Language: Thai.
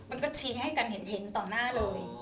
มันก็ชี้ให้กันเห็นต่อหน้าเลย